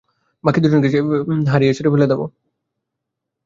বাকি দুজনকে হারিয়ে ছুড়ে ফেলে দেবে।